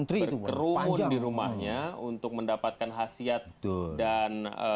dan banyak sekali orang setiap hari antri itu berumur di rumahnya untuk mendapatkan khasiat dan